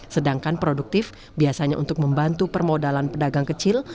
sedangkan produktif biasanya untuk membantu permodalan pedagang kecil